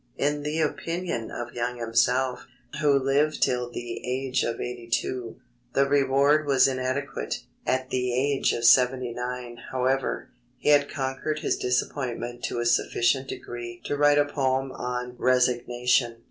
In the opinion of Young himself, who lived till the age of 82, the reward was inadequate. At the age of 79, however, he had conquered his disappointment to a sufficient degree to write a poem on Resignation.